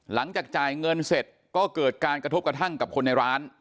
หลังจากจ่ายเงินเสร็จก็เกิดการกระทบกระทั่งกับคนในร้าน